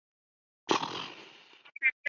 后当选中共山西省纪委书记。